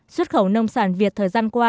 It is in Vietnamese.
xuất khẩu nông sản việt thời gian qua